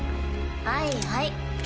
はいはい。